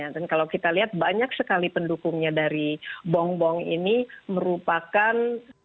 dan kalau kita lihat banyak sekali pendukungnya dari bongbong ini merupakan